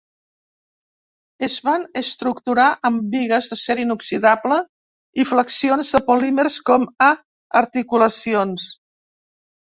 Es van estructurar amb bigues d’acer inoxidable i flexions de polímers com a articulacions.